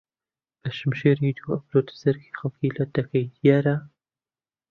بەشمشیری دوو ئەبرۆت جەرگی خەڵکی لەت دەکەی دیارە